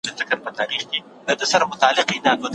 کتاب په لندن کې چاپ شوی دی.